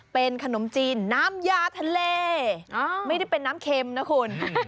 เป็นขนมจีนน้ำยาทะเลไม่ได้เป็นน้ำเค็มนะคุณ